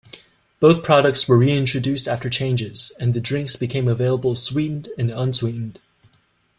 Both products were re-introduced after changes, and the drinks became available sweetened and unsweetened.